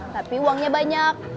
tapi uangnya banyak